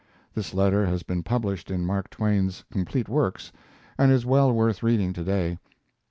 This letter has been published in Mark Twain's "Complete Works," and is well worth reading to day.